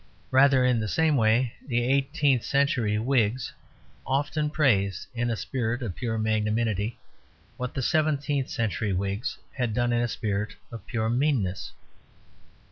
Rather in the same way the eighteenth century Whigs often praised, in a spirit of pure magnanimity, what the seventeenth century Whigs had done in a spirit of pure meanness.